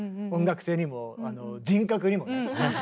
音楽性にも人格にもね。